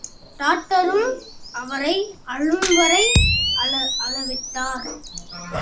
டாக்டரும், அவரை அழும்வரை அழவிட்டார்.